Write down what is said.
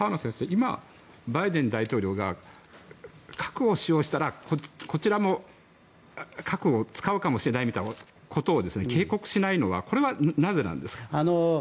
今、バイデン大統領が核を使用したらこちらも核を使うかもしれないみたいなことを警告しないのはなぜなんですか？